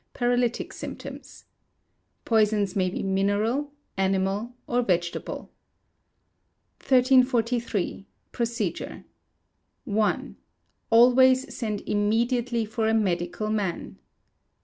Paralytic symptoms. Poisons may be mineral, animal, or vegetable. 1343. Procedure. i. Always send immediately for a Medical Man.